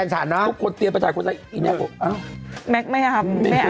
มันก็จะชัดเจนเหนือน้าเห็นไหม